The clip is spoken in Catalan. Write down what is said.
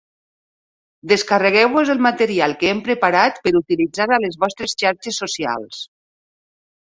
Descarregueu-vos el material que hem preparat per utilitzar a les vostres xarxes socials.